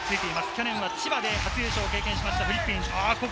去年は千葉で初優勝を経験しました。